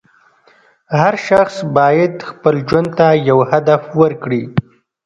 هر شخص باید خپل ژوند ته یو هدف ورکړي.